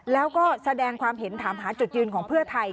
แล้วก็แสดงความเห็นถามหาจุดยืนของเพื่อไทย